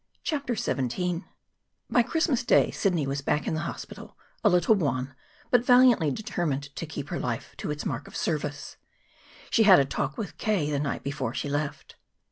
CHAPTER XVII By Christmas Day Sidney was back in the hospital, a little wan, but valiantly determined to keep her life to its mark of service. She had a talk with K. the night before she left.